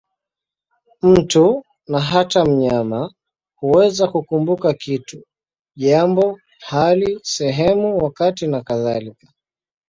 Mtu, na hata mnyama, huweza kukumbuka kitu, jambo, hali, sehemu, wakati nakadhalika.